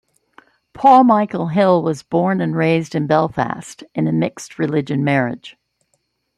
Paul Michael Hill was born and raised in Belfast in a mixed-religion marriage.